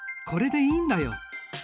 これでいいんだよ。